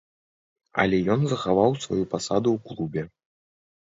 Але ён захаваў сваю пасаду ў клубе.